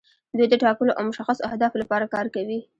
دوی د ټاکلو او مشخصو اهدافو لپاره کار کوي.